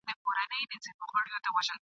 افغانان تر دښمن زیات زړه ور ول.